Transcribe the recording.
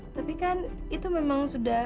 tapi kan itu memang sudah